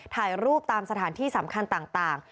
ถ่ายรูปตามสถานที่สำคัญต่าง